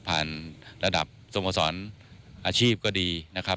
ระดับสโมสรอาชีพก็ดีนะครับ